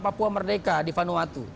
papua merdeka di vanuatu